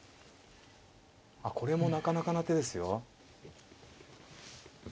あっこれもなかなかな手ですよ。